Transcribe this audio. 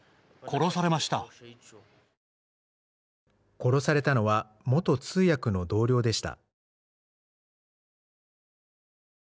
殺されたのは元通訳の同僚でした。